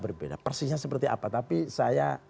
berbeda persisnya seperti apa tapi saya